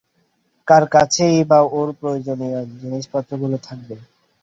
কার কাছেই বা ওর প্রয়োজনীয় জিনিসপত্রগুলো থাকবে?